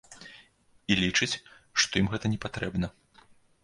І лічыць, што ім гэта не патрэбна.